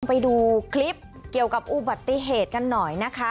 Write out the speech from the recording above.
ไปดูคลิปเกี่ยวกับอุบัติเหตุกันหน่อยนะคะ